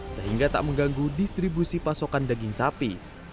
sehingga tak mengganggu distribusi pasokan daging sapi